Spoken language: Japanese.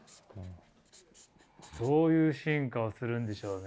どういう進化をするんでしょうね。